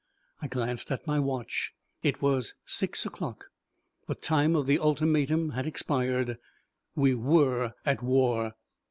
I glanced at my watch. It was six o'clock. The time of the ultimatum had expired. We were at war.